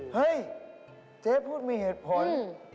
เฮ้ยเจ๊พูดมีเหตุผล